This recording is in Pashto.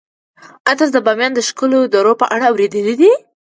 آیا تاسو د بامیان د ښکلو درو په اړه اوریدلي دي؟